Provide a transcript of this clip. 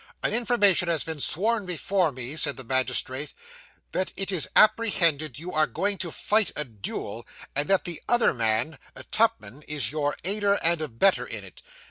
'An information has been sworn before me,' said the magistrate, 'that it is apprehended you are going to fight a duel, and that the other man, Tupman, is your aider and abettor in it.